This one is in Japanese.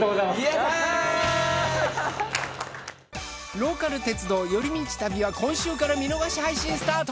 「ローカル鉄道寄り道旅」は今週から見逃し配信スタート。